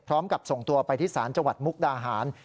พร้อมกับส่งตัวไปที่ศาลจังหวัดมุกดาหาร